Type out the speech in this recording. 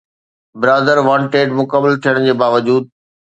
’برادر wanted‘ مڪمل ٿيڻ جي باوجود